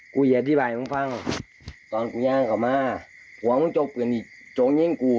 อย่าอธิบายมึงฟังตอนกูย่างเขามาหัวมึงจบกันอีกจงยิงกู